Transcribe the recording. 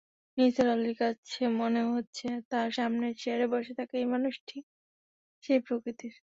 নিসার আলির কাছে মনে হচ্ছে তাঁর সামনের চেয়ারে বসে থাকা এই মানুষটি সেই প্রকৃতির।